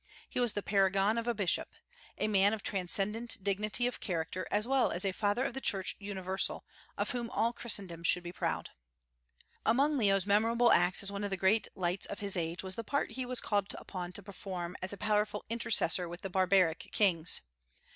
He was the paragon of a bishop, a man of transcendent dignity of character, as well as a Father of the Church Universal, of whom all Christendom should be proud. Among Leo's memorable acts as one of the great lights of his age was the part he was called upon to perform as a powerful intercessor with barbaric kings.